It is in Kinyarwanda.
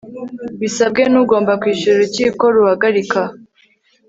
Bisabwe n ugomba kwishyura Urukiko ruhagarika